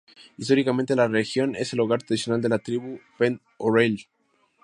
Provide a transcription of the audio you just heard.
Históricamente, la región es el hogar tradicional de la tribu Pend Oreille.